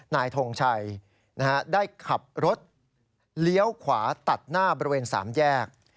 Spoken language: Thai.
นายทงชัยได้ขับรถเลี้ยวขวาตัดหน้าบริเวณ๓แยก